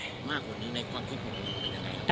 มากกว่านี้ในความคิดผมเป็นยังไงครับ